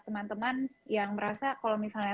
teman teman yang merasa kalau misalnya